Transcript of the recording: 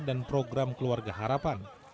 dan program keluarga harapan